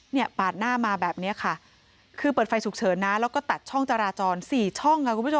ปาดหน้ามาแบบนี้ค่ะคือเปิดไฟฉุกเฉินนะแล้วก็ตัดช่องจราจรสี่ช่องค่ะคุณผู้ชม